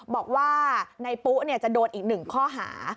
บอกว่านายปุ๊จะโดนอีก๑ข้อหา